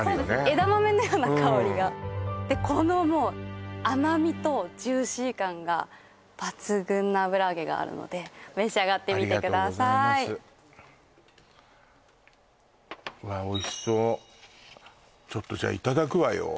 枝豆のような香りがこのもう甘みとジューシー感が抜群な油揚げがあるので召し上がってみてくださいありがとうございますうわっおいしそうちょっとじゃいただくわよ